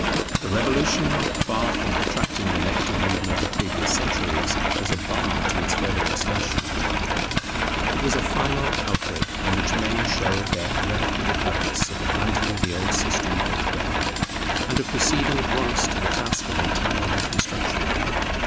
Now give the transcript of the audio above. The Revolution, far from protracting the negative movement of previous centuries, was a bar to its further extension. It was a final outbreak in which men showed their irrevocable purpose of abandoning the old system altogether, and of proceeding at once to the task of entire reconstruction.